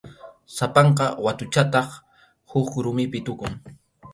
Sapanka watuchataq huk rumipi tukun.